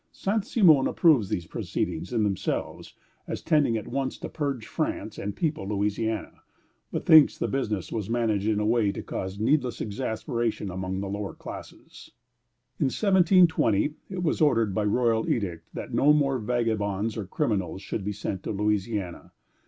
" Saint Simon approves these proceedings in themselves, as tending at once to purge France and people Louisiana, but thinks the business was managed in a way to cause needless exasperation among the lower classes. In 1720 it was ordered by royal edict that no more vagabonds or criminals should be sent to Louisiana.